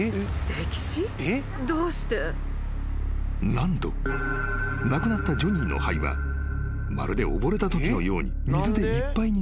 ［何と亡くなったジョニーの肺はまるで溺れたときのように水でいっぱいになっていたのだ］